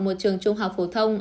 một trường trung học phổ thông